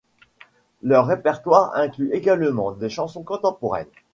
Leur répertoire inclut également des chansons contemporaines.